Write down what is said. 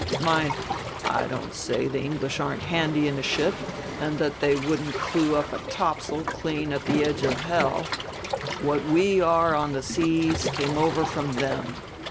Mind, I don't say the English aren't handy in a ship and that they wouldn't clew up a topsail clean at the edge of hell. What we are on the seas came over from them.